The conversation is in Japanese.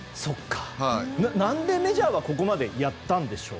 何でメジャーはここまでやったんでしょう。